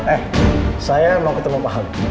eh saya mau ketemu pak habib